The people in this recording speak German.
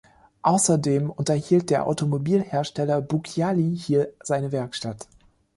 Außerdem unterhielt der Automobilhersteller Bucciali hier seine Werkstatt.